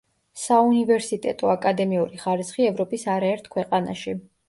საუნივერსიტეტო, აკადემიური ხარისხი ევროპის არაერთ ქვეყანაში.